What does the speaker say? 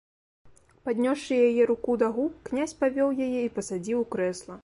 Паднёсшы яе руку да губ, князь павёў яе і пасадзіў у крэсла.